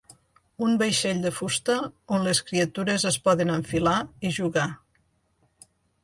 Un vaixell de fusta on les criatures es poden enfilar i jugar.